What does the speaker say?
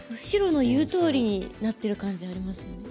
白の言うとおりになってる感じありますよね。